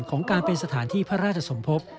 ของการเป็นสถานที่พระราชสมภพ